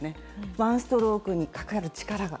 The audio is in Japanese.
ワンストロークにかかる力が。